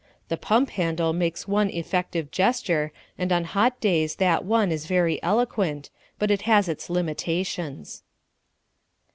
The pump handle makes one effective gesture, and on hot days that one is very eloquent, but it has its limitations.